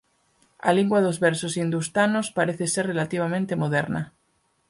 A lingua dos versos hindustanos parece ser relativamente moderna.